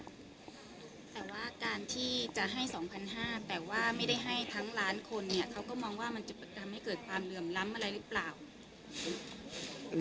แต่ว่าการที่จะให้๒๕๐๐แต่ว่าไม่ได้ให้ทั้งล้านคน